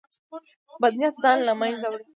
بد نیت ځان له منځه وړي.